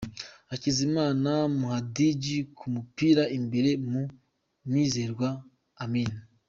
Hakizimana Muhadjili ku mupira imbere ya Muzerwa Amin .